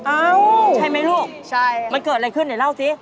เอ้าใช่ไหมลูกมันเกิดอะไรขึ้นไหนเล่าสิ